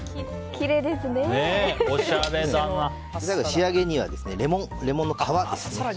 仕上げにレモンの皮ですね。